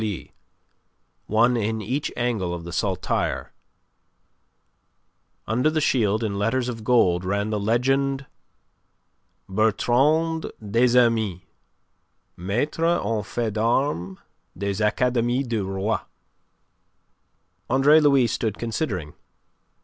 Under the shield, in letters of gold, ran the legend: BERTRAND DES AMIS Maitre en fait d'Armes des Academies du Roi Andre Louis stood considering.